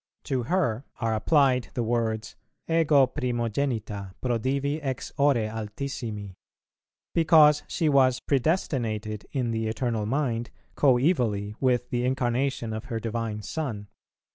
To her are applied the words, "Ego primogenita prodivi ex ore Altissimi," because she was predestinated in the Eternal Mind coevally with the Incarnation of her Divine Son.